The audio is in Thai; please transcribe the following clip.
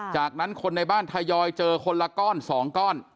จากนั้นคนในบ้านทยอยเจอคนละก้อน๒ก้อน